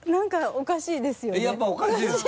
おかしいですよねそこは。